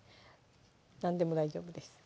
何でも大丈夫です